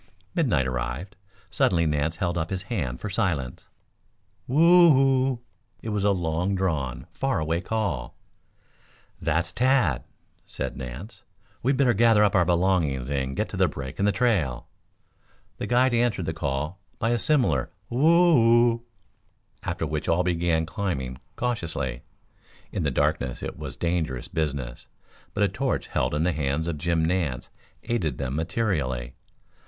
Midnight arrived. Suddenly Nance held up his hands for silence. "Whoo oo!" It was a long drawn, far away call. "That's Tad," said Nance. "We'd better gather up our belongings and get up to the break in the trail." The guide answered the call by a similar "whoo oo," after which all began climbing cautiously. In the darkness it was dangerous business, but a torch held in the hands of Jim Nance aided them materially.